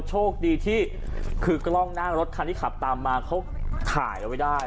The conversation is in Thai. โชคดีที่คือกล้องหน้ารถคันที่ขับตามมาเขาถ่ายเอาไว้ได้